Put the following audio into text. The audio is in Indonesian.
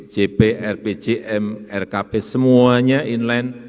jp rp jm rkb semuanya inline